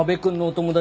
友達？